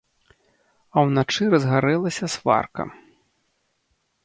А ўначы разгарэлася сварка.